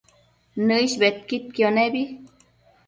Nëish bedquidquio nebi